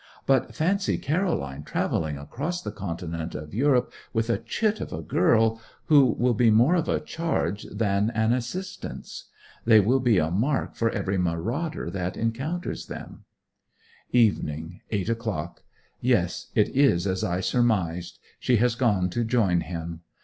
But fancy Caroline travelling across the continent of Europe with a chit of a girl, who will be more of a charge than an assistance! They will be a mark for every marauder who encounters them. Evening: 8 o'clock. Yes, it is as I surmised. She has gone to join him.